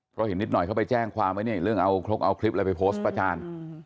เพราะเห็นนิดหน่อยเขาไปแจ้งความไว้เนี่ยเรื่องเอาครกเอาคลิปอะไรไปโพสต์ประจาน